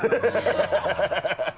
ハハハ